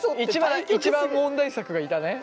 一番問題作がいたね。ね。